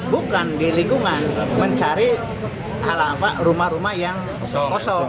bukan di lingkungan mencari rumah rumah yang kosong